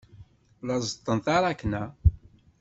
La ẓeṭṭen taṛakna.